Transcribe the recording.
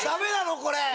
これ。